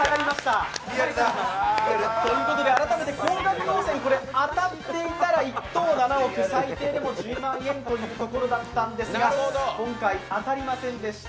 改めて高額当選、当たっていたら１等７億、最低でも１０万円ということだったんですが、今回、当たりませんでした。